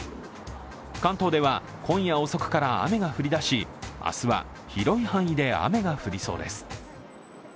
関東では、今夜遅くから雨が降りだし明日は広い範囲で雨が降りそうです。